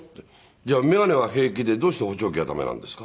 「じゃあ眼鏡は平気でどうして補聴器は駄目なんですか？」